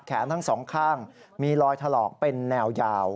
ทั้งสองข้างมีรอยถลอกเป็นแนวยาว